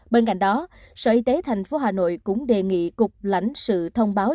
bên cạnh đó sở y tế tp hà nội cũng đề nghị cục lãnh sự thông báo